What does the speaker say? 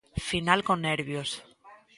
Final con nervios.